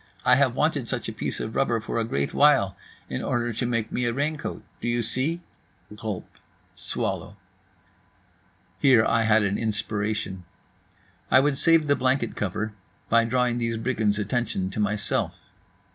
I have wanted such a piece of rubber for a great while, in order to make me a raincoat. Do you see?" (Gulp. Swallow.) Here I had an inspiration. I would save the blanket cover by drawing these brigands' attention to myself.